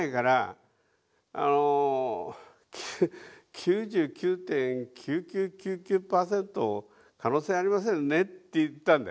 「９９．９９９９％可能性ありませんね」って言ったんだよね。